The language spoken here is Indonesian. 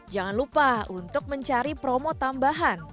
jangan lupa untuk mencari promo tambahan